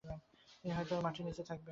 তিনি হয়তো মাটির নিচে থাকবেন।